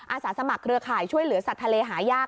อาสาสมัครเครือข่ายช่วยเหลือสัตว์ทะเลหายาก